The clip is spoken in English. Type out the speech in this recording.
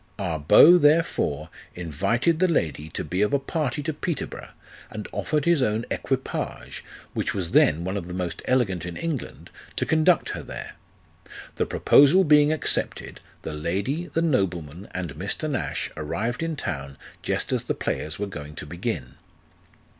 Our Beau therefore invited the lady to be of a party to Peterborough, and offered his own equipage, which was then one of the most elegant in England, to conduct her there. The proposal being accepted, the lady, the nobleman, and Mr. Nash arrived in town just as the plavers were going to begin.